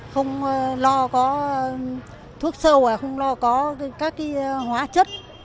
không lo có thuốc sâu không lo có các hóa chất